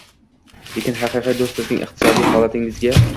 Lekin haqiqiy do‘st sizning iqtisodiy holatingizga